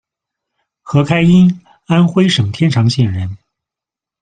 何开荫，，安徽省天长县人。